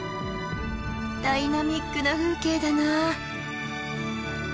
ダイナミックな風景だなあ。